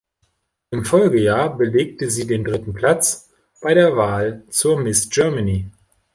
Im Folgejahr belegte sie den dritten Platz bei der Wahl zur Miss Germany.